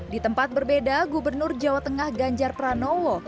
di tempat berbeda gubernur jawa tengah ganjar pranowo